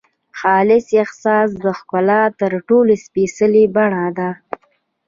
خالص احساس د ښکلا تر ټولو سپېڅلې بڼه ده.